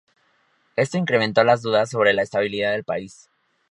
Esto incrementó las dudas sobre la estabilidad del país.